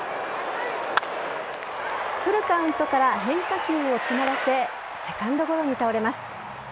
フルカウントから変化球を詰まらせセカンドゴロに倒れます。